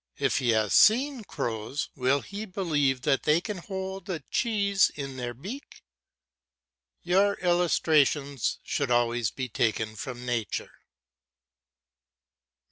If he has seen crows will he believe that they can hold a cheese in their beak? Your illustrations should always be taken from nature.